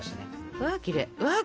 うわきれい！